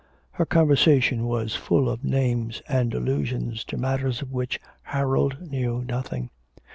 Her conversation was full of names and allusions to matters of which Harold knew nothing.